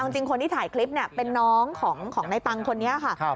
จริงคนที่ถ่ายคลิปเป็นน้องของในตังค์คนนี้ค่ะ